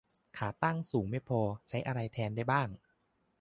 ขาตั้งสูงไม่พอ ใช้อะไรแทนได้บ้าง